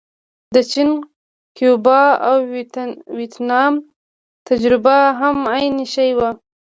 د چین، کیوبا او ویتنام تجربه هم عین شی وه.